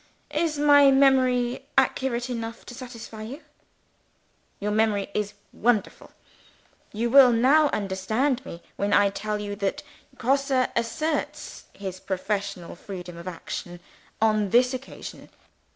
_ Is my memory accurate enough to satisfy you?" "Your memory is wonderful. You will now understand me when I tell you that Grosse asserts his professional freedom of action on this occasion.